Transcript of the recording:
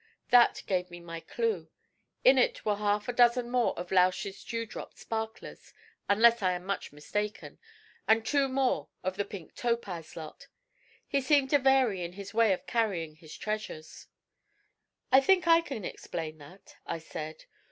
That gave me my clue; in it were half a dozen more of Lausch's dew drop sparklers, unless I am much mistaken, and two more of the pink topaz lot. He seemed to vary in his way of carrying his treasures.' 'I think I can explain that,' I said.